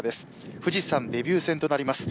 富士山デビュー戦となります。